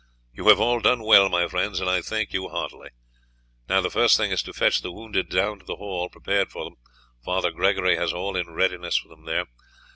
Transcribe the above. You have all done well, my friends, and I thank you heartily. Now, the first thing is to fetch the wounded down to the hall prepared for them. Father Gregory has all in readiness for them there.